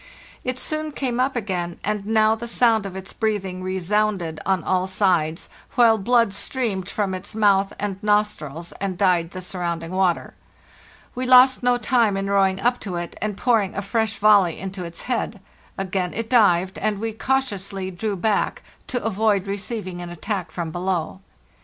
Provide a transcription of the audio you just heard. It soon came up again, and now the sound of its breathing resounded on all sides, while blood streamed from its mouth and nostrils, and dyed the surrounding water. We lost no time in rowing up to it and pouring a fresh volley into its head. Again it dived, and we cautiously drew back, to avoid receiving an attack from below.